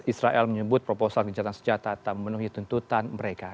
israel menyebut proposal gencatan senjata tak memenuhi tuntutan mereka